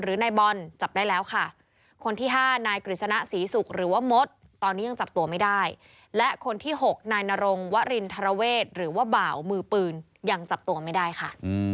หรือนายบอล